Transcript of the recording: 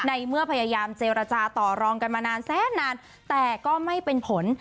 ในเมื่อพยายามเจรจาต่อรองกันมานานแสนนานแต่ก็ไม่เป็นผล